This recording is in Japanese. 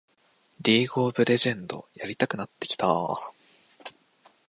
リーグ・オブ・レジェンドやりたくなってきた